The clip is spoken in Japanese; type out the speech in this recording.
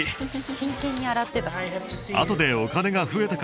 真剣に洗ってた。